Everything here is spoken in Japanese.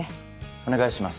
お願いします。